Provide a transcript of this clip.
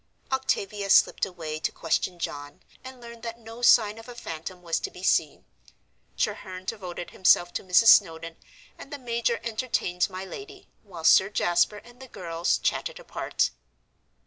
Octavia slipped away to question John, and learn that no sign of a phantom was to be seen. Treherne devoted himself to Mrs. Snowdon, and the major entertained my lady, while Sir Jasper and the girls chatted apart.